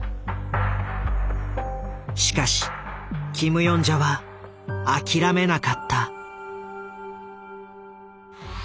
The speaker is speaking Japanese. しかしキム・ヨンジャは諦めなかった。